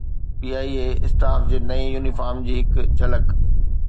P I A staff جي نئين uniform جي هڪ جھلڪ